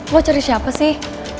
lo cari siapa sih